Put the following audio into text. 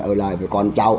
ở lại với con cháu